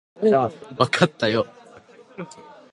わかったよ